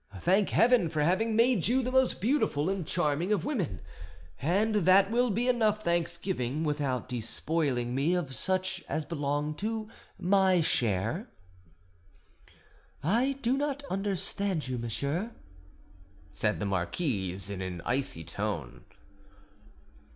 Thank Heaven for having made you the most beautiful and charming of women, and that will be enough thanksgiving without despoiling me of such as belong to my share." "I do not understand you, monsieur," said the marquise in an icy tone.